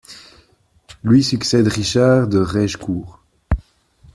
Lui succède Richard de Raigecourt.